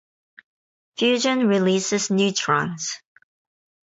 Fusion releases neutrons.